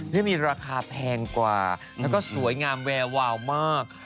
ที่มีราคาแพงกว่าแล้วก็สวยงามแวววาวมาก